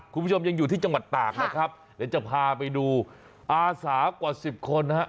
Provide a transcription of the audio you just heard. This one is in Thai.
คุณผู้ชมยังอยู่ที่จังหวัดตากนะครับเดี๋ยวจะพาไปดูอาสากว่าสิบคนนะฮะ